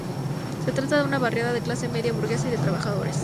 Se trata de una barriada de clase media burguesa y de trabajadores.